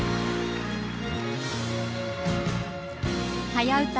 「はやウタ」